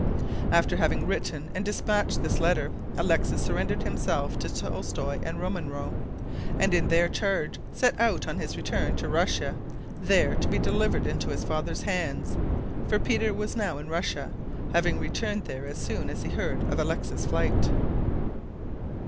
After having written and dispatched this letter Alexis surrendered himself to Tolstoi and Rumanrow, and in their charge set out on his return to Russia, there to be delivered into his father's hands; for Peter was now in Russia, having returned there as soon as he heard of Alexis's flight.